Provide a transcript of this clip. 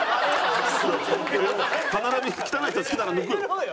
歯並び汚い人好きなら抜くよ。